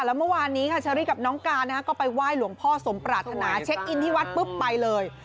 ค่ะว่านี้ตัวน้องการไปว่าให้หลวงพ่อเจ้าสมปรัดลูกให้เช็คอิ้นที่วัดเปลี่ยน